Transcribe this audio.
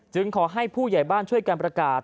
ขอให้ผู้ใหญ่บ้านช่วยการประกาศ